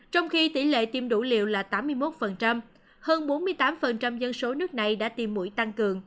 trong khi tỷ lệ tiêm đủ liều là tám mươi một hơn bốn mươi tám dân số nước này đã tiêm mũi tăng cường